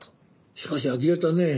しかしあきれたねえ。